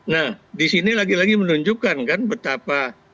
nah di sini lagi lagi menunjukkan kan betapa bukan cuma terjadi